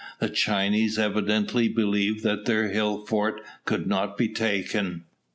The Chinese evidently believed that their hill fort could not be taken.